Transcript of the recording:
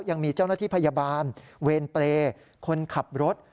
ยังมีเจ้าหน้าที่พยาบาลเวรเปรย์คนขับรถ